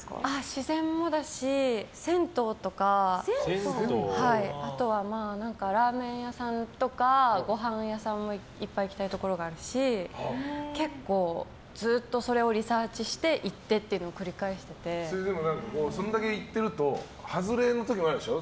自然もだし、銭湯とかあとはラーメン屋さんとかごはん屋さんもいっぱい行きたいところがあるし結構ずっとそれをリサーチして行ってっていうのをそれだけ行ってると外れの時もあるでしょ？